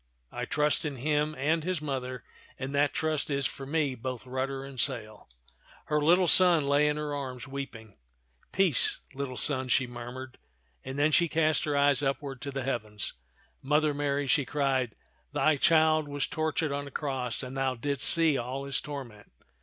I trust in him and his Mother, and that trust is for me both rudder and sail." Her little son lay in her arms weeping. "Peace, little son," she murmured; and then she cast her eyes upward to the heavens. "Mother Mary," she cried, "thy Child was tortured on a cross, and thou didst see all his torment.